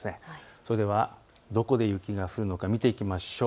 それではどこで雪が降るのか見ていきましょう。